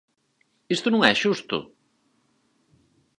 ¡Isto non é xusto!